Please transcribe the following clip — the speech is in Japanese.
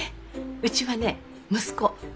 うちはね息子。